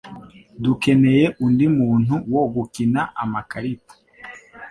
Dukeneye undi muntu wo gukina amakarita